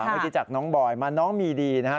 เมื่อกี้จากน้องบอยมาน้องมีดีนะครับ